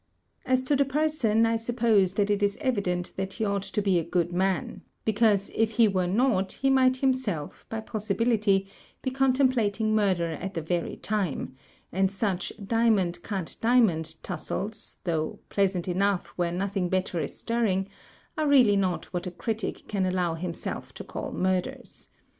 " As to the person, I suppose that it is evident that he ou{^t to be a good man; because, if he were not, he might himself , by possibility, be contemplating murder at the very time; and such 'diamond cut diamond' tussles, thou{^ pleasant MURDER IN GENERAL 22$ enough where nothing better is stirring, are really not what a critic can allow himself to call murders.